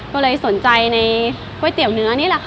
ก็เลยสนใจในก๋วยเตี๋ยวเนื้อนี่แหละค่ะ